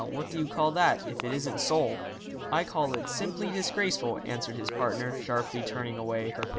What do you call that, if it isn't soul?' 'I call it simply disgraceful,' answered his partner, sharply turning away her head.